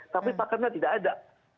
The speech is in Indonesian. tapi paketnya tidak ada